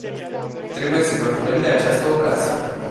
Trebuie să profităm de această ocazie.